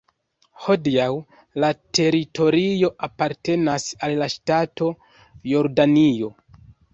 Hodiaŭ la teritorio apartenas al la ŝtato Jordanio.